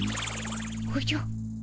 おじゃ。